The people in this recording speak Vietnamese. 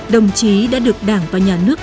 đồng chí đã được đảng và nhà nước